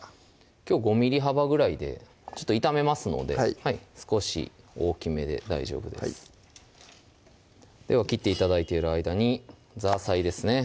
きょう５ｍｍ幅ぐらいでちょっと炒めますので少し大きめで大丈夫ですでは切って頂いている間にザーサイですね